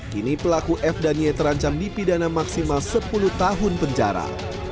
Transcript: kini pelaku f dan y terancam dipidana maksimal sepuluh tahun penjara